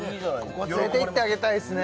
ここは連れて行ってあげたいですね